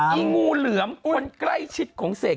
งูเหลือมคนใกล้ชิดของเสก